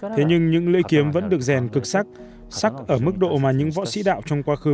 thế nhưng những lưỡi kiếm vẫn được rèn cực sắc sắc ở mức độ mà những võ sĩ đạo trong quá khứ